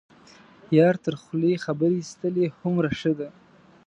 یار تر خولې خبر یستلی هومره ښه ده.